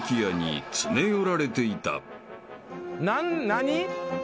何？